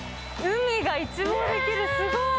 海が一望出来る、すごい。